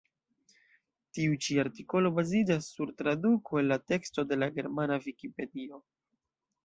Tiu ĉi artikolo baziĝas sur traduko el la teksto de la germana vikipedio.